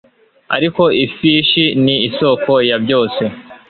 Ariko ifishi ni isoko ya byose